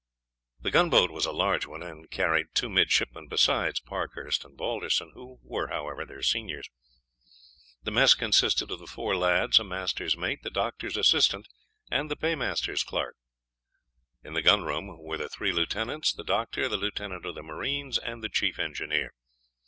The gunboat was a large one, and carried two midshipmen besides Parkhurst and Balderson, who were, however, their seniors. The mess consisted of the four lads, a master's mate, the doctor's assistant, and the paymaster's clerk. In the gun room were the three lieutenants, the doctor, the lieutenant of the marines, and the chief engineer.